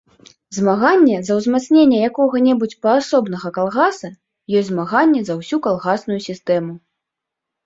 Змаганне за ўзмацненне якога-небудзь паасобнага калгаса ёсць змаганне за ўсю калгасную сістэму.